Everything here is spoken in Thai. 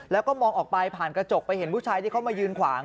แล้วก็มองออกไปผ่านกระจกไปเห็นผู้ชายที่เขามายืนขวาง